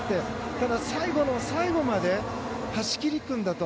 ただ、最後の最後まで走り抜くんだと。